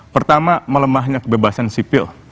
pertama melemahnya kebebasan sipil